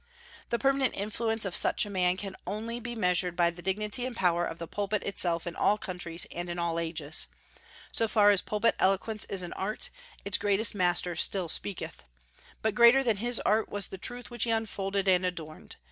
The permanent influence of such a man can only be measured by the dignity and power of the pulpit itself in all countries and in all ages. So far as pulpit eloquence is an art, its greatest master still speaketh. But greater than his art was the truth which he unfolded and adorned.